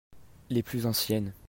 Les plus anciennes.